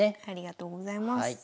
ありがとうございます。